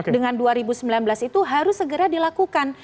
dengan dua ribu sembilan belas itu harus segera dilakukan